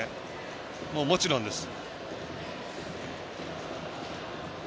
もちろんです。